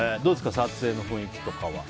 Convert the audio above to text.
撮影の雰囲気とかは。